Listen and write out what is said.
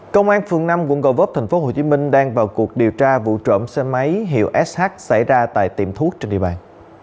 công an phường năm quận gò vấp tp hcm đang vào cuộc điều tra vụ trộm xe máy hiệu sh xảy ra tại tiệm thuốc trên địa bàn